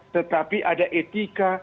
tetapi ada etika